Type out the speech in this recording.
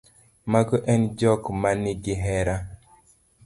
mago e jok ma nigi hera